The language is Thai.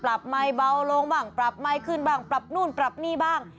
ปรับไม่เบาลงบังปรับไม่ขึ้นบังปรับโน่นปรับนี่บ้าง